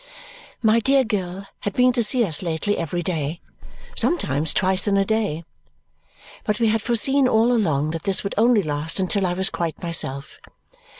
My dear girl had been to see us lately every day, some times twice in a day. But we had foreseen, all along, that this would only last until I was quite myself.